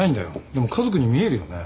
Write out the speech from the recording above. でも家族に見えるよね。